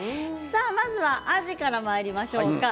まずあじからまいりましょうか。